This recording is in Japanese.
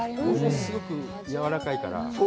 すごくやわらかいから。